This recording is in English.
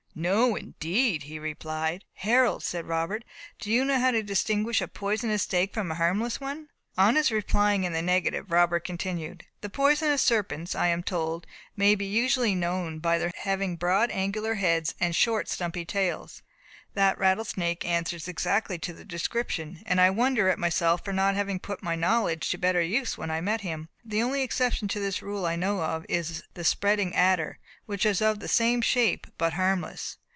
"No, indeed," he replied. "Harold," said Robert, "do you know how to distinguish a poisonous snake from a harmless one?" On his replying in the negative, Robert continued, "The poisonous serpents, I am told, may be usually known by their having broad angular heads, and short stumpy tails. That rattlesnake answers exactly to the description, and I wonder at myself for not having put my knowledge to better use when I met him. The only exception to this rule I know of is the spreading adder, which is of the same shape, but harmless.